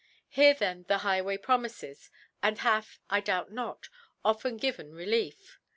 Her^ then the High* way promifes^ and hath, I doubt not, often given Relief.